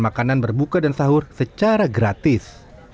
makanan berbuka dan sahur secara gratis